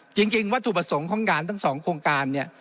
จริงวัตถุประสงค์ของงานทั้งสองโครงการเนี่ย